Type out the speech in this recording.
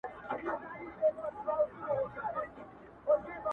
o خدایه زموږ ژوند په نوي کال کي کړې بدل.